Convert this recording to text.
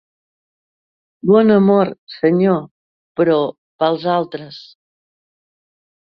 Bona mort, Senyor, però pels altres.